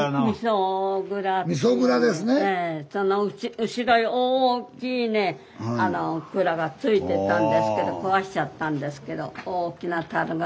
その後ろに大きいね蔵がついてたんですけど壊しちゃったんですけど大きな樽があって。